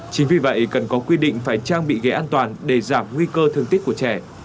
chính vì vậy cần có quy định phải trang bị ghế an toàn để giảm nguy cơ thương tích của trẻ